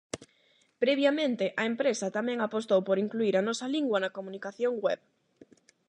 Previamente, a empresa tamén apostou por incluír a nosa lingua na comunicación web.